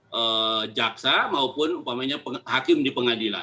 kepada jaksa maupun umpamanya hakim di pengadilan